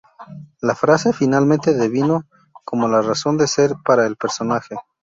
La frase finalmente devino como la razón de ser para el personaje.